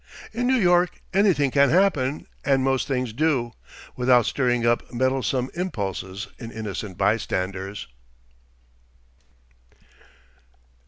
In New York anything can happen, and most things do, without stirring up meddlesome impulses in innocent bystanders.